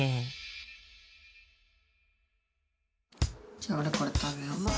じゃあおれこれ食べよう。